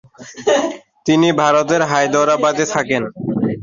তিনি ভারতের হায়দরাবাদে থাকেন।